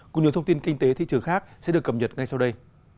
cùng nhiều thông tin kinh tế thị trường khác sẽ được cập nhật ngay sau đây